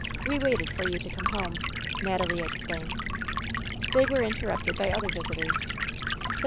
We waited for you to come home," Natalie explained. They were interrupted by other visitors. The Eev.